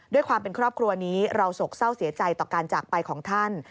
ด้วยความเป็นครอบครัวนี้เราโศกเศร้าเสียใจต่อการจากไปของท่าน